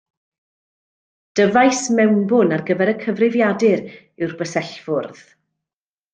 Dyfais mewnbwn ar gyfer y cyfrifiadur yw'r bysellfwrdd.